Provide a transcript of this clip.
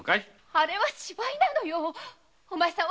あれは芝居なのよ。